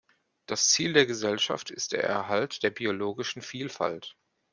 Das Ziel der Gesellschaft ist der Erhalt der biologischen Vielfalt.